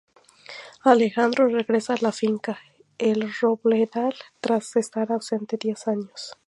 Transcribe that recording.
Alejandro regresa a la finca "El Robledal" tras estar ausente diez años.